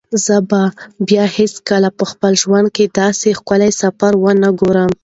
زه به بیا هیڅکله په خپل ژوند کې داسې ښکلی سفر ونه ګورم.